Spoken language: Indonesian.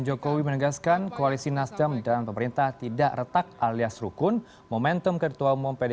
jokowi menegaskan koalisi nasdem dan pemerintah tidak retak alias rukun momentum ketua umum pd